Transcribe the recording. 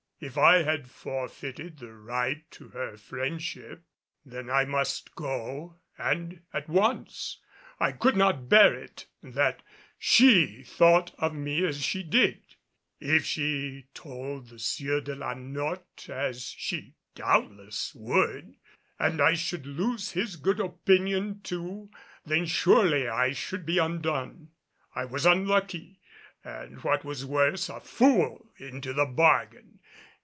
If I had forfeited the right to her friendship, then I must go and at once. I could not bear it that she thought of me as she did. If she told the Sieur de la Notte, as she doubtless would, and I should lose his good opinion too, then surely I should be undone. I was unlucky, and what was worse, a fool into the bargain.